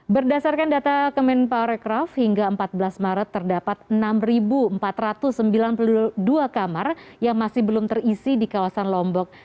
berdasarkan data kemenparekraf hingga empat belas maret terdapat enam empat ratus sembilan puluh dua kamar yang masih belum terisi di kawasan lombok